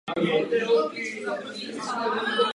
Většinu obyvatel tvořili Němci až do konce druhé světové války.